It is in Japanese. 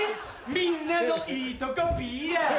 みんなのいいとこＰＲ。